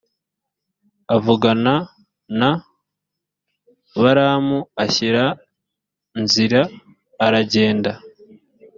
avugana na balamu ashyira nzira aragenda